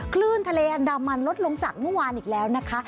คลื่นทะเลอันดามันลดลงจากเมื่อวานอีกแล้วนะคะ